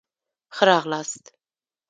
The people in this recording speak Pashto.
ښه راغلاست.